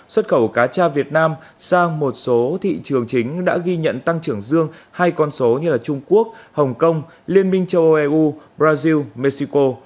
xuất khẩu cá tra việt nam sang một số thị trường chính đã ghi nhận tăng trưởng dương hai con số như trung quốc hồng kông liên minh châu âu eu brazil mexico